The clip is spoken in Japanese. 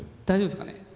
大丈夫ですかね？